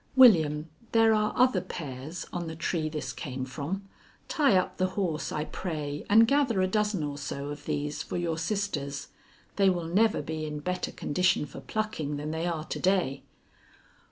William, there are other pears on the tree this came from. Tie up the horse, I pray, and gather a dozen or so of these for your sisters. They will never be in better condition for plucking than they are to day."